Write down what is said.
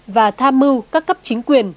và tham mưu các cấp chính quyền